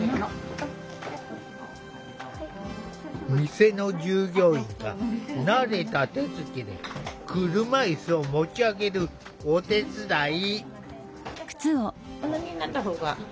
店の従業員が慣れた手つきで車いすを持ち上げるお手伝い。